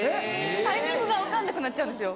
タイミングが分かんなくなっちゃうんですよ。